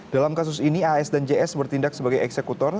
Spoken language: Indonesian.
dalam kasus ini as dan js bertindak sebagai eksekutor